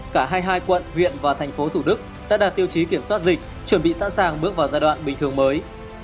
cả hai mươi hai quận huyện và thành phố thủ đức đã đạt tiêu chí kiểm soát dịch chuẩn bị sẵn sàng bước vào giai đoạn bình thường mới